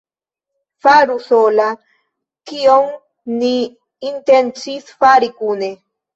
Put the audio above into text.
Faru sola, kion ni intencis fari kune!